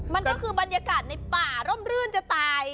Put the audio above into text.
มันก็คือบรรยากาศในป่าร่มรื่นจะตาย